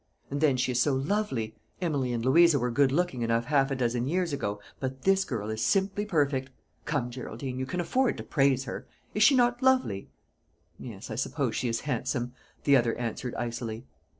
And then she is so lovely. Emily and Louisa were good looking enough half a dozen years ago, but this girl is simply perfect. Come, Geraldine, you can afford to praise her. Is she not lovely?" "Yes, I suppose she is handsome," the other answered icily.